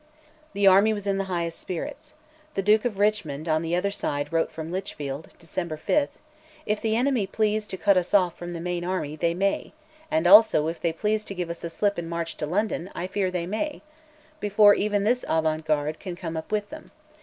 The army was in the highest spirits. The Duke of Richmond on the other side wrote from Lichfield (December 5), "If the enemy please to cut us off from the main army, they may; and also, if they please to give us the slip and march to London, I fear they may, before even this avant garde can come up with them